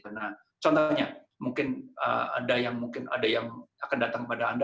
karena contohnya mungkin ada yang mungkin ada yang akan datang kepada anda